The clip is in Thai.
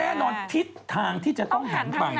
แน่นอนทิศทางที่จะต้องหันไป